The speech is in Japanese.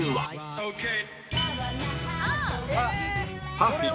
ＰＵＦＦＹ